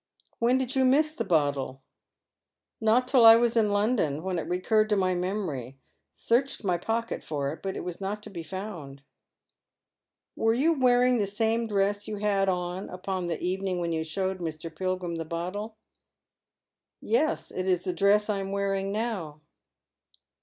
When did you miss the bottle ?"" Not till I was in London, when it recurred to my memory. . searched my pocket for it, but it was not to be found." "Were you wearing the same dress you had on upon the evening when you showed Mr. Pilgrim the bottle?" " Yes. It is the dress I am wearing now."